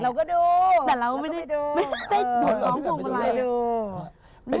เราก็ดูเราก็ไปดูเราก็ไปดู